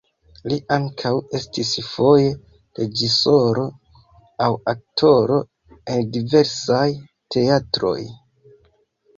Li ankaŭ estis foje reĝisoro aŭ aktoro en diversaj teatroj.